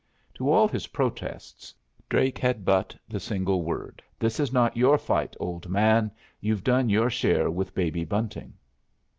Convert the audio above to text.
To all his protests, Drake had but the single word: "This is not your fight, old man. You've done your share with Baby Bunting."